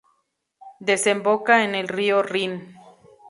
Desemboca en el río Rin.